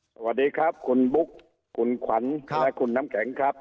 สวัสดีครับคุณบุ๊คคุณขวัญและคุณน้ำแข็งครับ